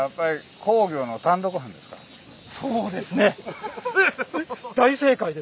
そうですね！え！